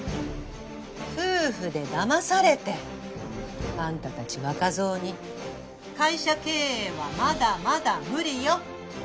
夫婦でだまされてあんたたち若造に会社経営はまだまだ無理よ。